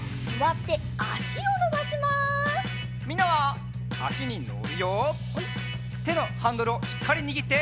てのハンドルをしっかりにぎって。